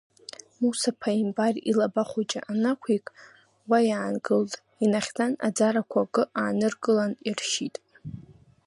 Муса ԥаимбар илаба хәыҷы аннақәик, уа иаангылт, инахьӡан аӡарақәа акы ааныркылан иршьит.